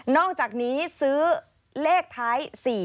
อกจากนี้ซื้อเลขท้าย๔๕